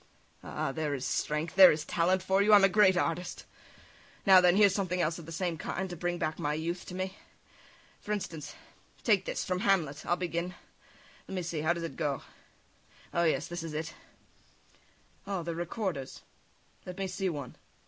Ah! there is strength, there is talent for you! I'm a great artist! Now, then, here's something else of the same kind, to bring back my youth to me. For instance, take this, from Hamlet, I'll begin ... Let me see, how does it go? Oh, yes, this is it. [Takes the part of Hamlet] "O! the recorders, let me see one.